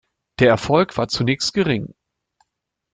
Der Erfolg war zunächst gering.